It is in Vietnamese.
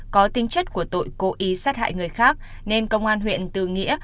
có tính chất của tội cố ý sát hại người khác nên công an huyện từ nghĩa